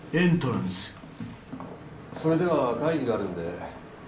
それでは会議があるんで失礼します。